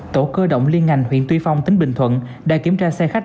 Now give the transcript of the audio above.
tổ cơ động liên ngành huyện tuy phong tỉnh bình thuận đã kiểm tra xe khách